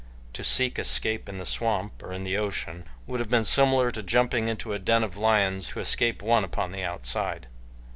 To seek escape in the swamp or in the ocean would have been similar to jumping into a den of lions to escape one upon the outside.